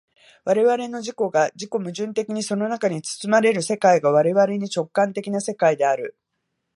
我々の自己が自己矛盾的にその中に包まれる世界が我々に直観的な世界である。